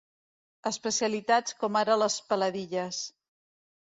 Especialitats com ara les peladilles.